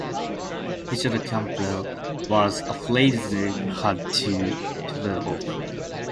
Richard Campbell was afraid they'd have to toddle off.